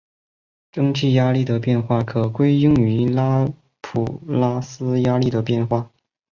蒸气压力的变化可归因于拉普拉斯压力的变化。